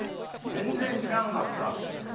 全然知らんかった。